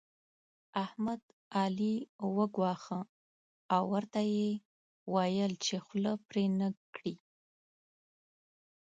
احمد؛ علي وګواښه او ورته ويې ويل چې خوله پرې نه کړې.